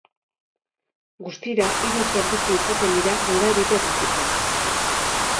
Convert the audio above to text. Guztira hiru zerbitzu izaten dira norabide bakoitzean.